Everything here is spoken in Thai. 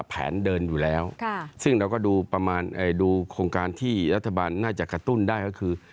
แผนเดินอยู่แล้วซึ่งเราก็ดูประมาณดูโครงการที่รัฐบาลน่าจะกระตุ้นได้ก็คือ